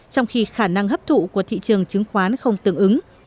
trong khi khả năng hấp thụ của thị trường chứng khoán không tương ứng